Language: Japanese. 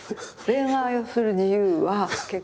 恋愛をする自由は結婚。